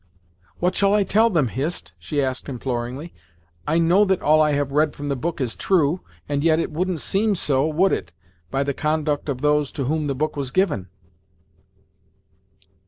"What shall I tell them, Hist," she asked imploringly "I know that all I have read from the book is true, and yet it wouldn't seem so, would it, by the conduct of those to whom the book was given?"